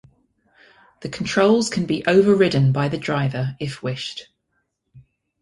The controls can be overridden by the driver if wished.